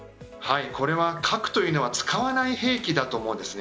これは核というのは使わない兵器だと思うんです。